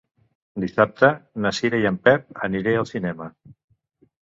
Dissabte na Cira i en Pep aniré al cinema.